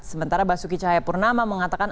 sementara basuki cahayapurnama mengatakan